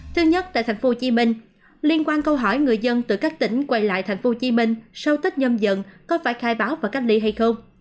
thứ nhất tại tp hcm liên quan câu hỏi người dân từ các tỉnh quay lại tp hcm sau tết nhâm dần có phải khai báo và cách ly hay không